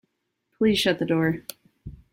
Please shut the door.